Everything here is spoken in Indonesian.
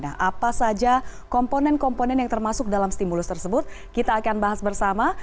nah apa saja komponen komponen yang termasuk dalam stimulus tersebut kita akan bahas bersama